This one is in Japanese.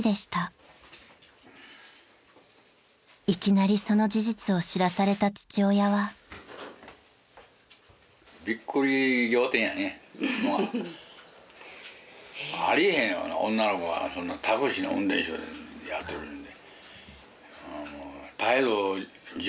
［いきなりその事実を知らされた父親は］あり得へん女の子がタクシーの運転手やってるなんて。